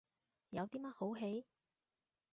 有啲乜好戯？